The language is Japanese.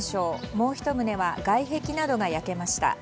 もう１棟は外壁などが焼けました。